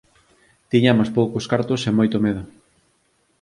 Tiñamos poucos cartos e moito medo.